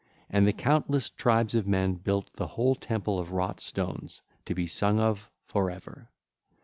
And the countless tribes of men built the whole temple of wrought stones, to be sung of for ever.